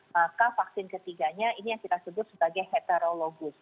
maka vaksin ketiganya ini yang kita sebut sebagai heterologus